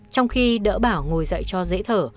trong khi đỡ bảo ngồi dậy cho dễ thở